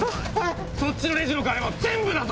そっちのレジの金も全部だぞ。